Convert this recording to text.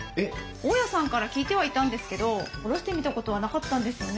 大家さんから聞いてはいたんですけど下ろしてみたことはなかったんですよね。